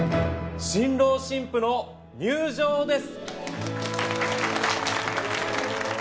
新郎新婦の入場です。